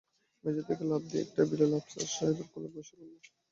মেঝে থেকে লাফ দিয়ে একটা বিড়াল আফসার সাহেবের কোলে এসে বসল।